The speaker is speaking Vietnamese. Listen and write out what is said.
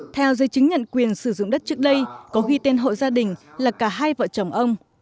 theo dây chứng nhận quyền sử dụng đất trước đây có ghi tên hộ gia đình là cả hai vợ chồng ông